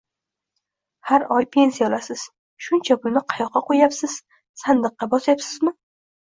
Har oy pensiya olasiz. Shuncha pulni qayoqqa qo'yyapsiz? Sandiqqa bosyapsizmi?